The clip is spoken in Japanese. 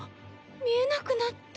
見えなくなった。